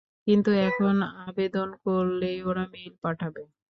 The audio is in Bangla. কিন্তু এখন আবেদন করলেই ওরা মেইল পাঠাবে।